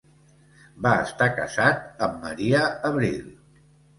Va estar casat amb Maria Abril.